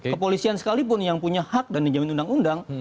kepolisian sekalipun yang punya hak dan dijamin undang undang